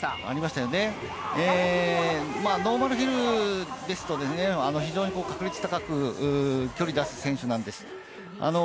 ノーマルヒルです、非常に確率高く距離を出す選手なんです。